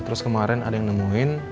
terus kemarin ada yang nemuin